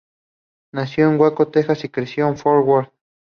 Nació en Waco, Texas, y creció en Fort Worth.